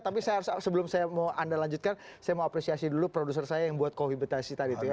tapi sebelum saya mau anda lanjutkan saya mau apresiasi dulu produser saya yang buat kohibitasi tadi itu ya